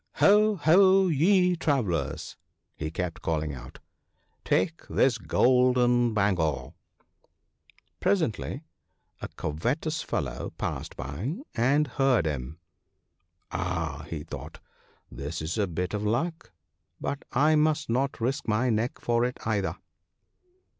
" Ho ! ho ! ye travellers," he kept calling out, " take this golden bangle !" Presently a covetous fellow passed by and heard him. " Ah !" thought he, " this is a bit of luck — but I must not risk my neck for it either.